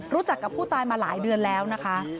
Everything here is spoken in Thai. รู้จักกับผู้ตายมาหลายเดือนแล้วนะคะ